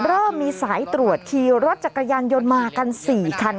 เริ่มมีสายตรวจขี่รถจักรยานยนต์มากัน๔คัน